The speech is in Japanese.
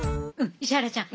石原ちゃん